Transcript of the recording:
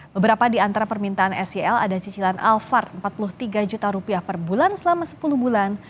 beberapa di antara permintaan sel ada cicilan alphard rp empat puluh tiga juta rupiah per bulan selama sepuluh bulan